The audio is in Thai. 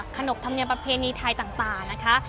ขนบธรรมเนียมประเพณีไทยต่างนะคะ